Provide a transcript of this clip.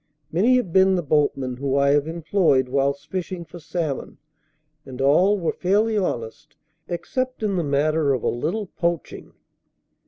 Many have been the boatmen whom I have employed whilst fishing for salmon, and all were fairly honest, except in the matter of a little poaching.